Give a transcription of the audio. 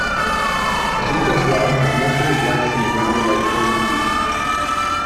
Just as well as most of his life seems rather like pulling teeth.